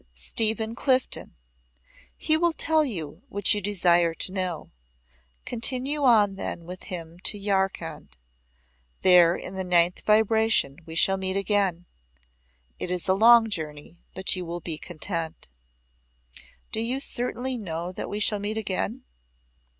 "Stephen Clifden. He will tell you what you desire to know. Continue on then with him to Yarkhand. There in the Ninth Vibration we shall meet again. It is a long journey but you will be content." "Do you certainly know that we shall meet again?"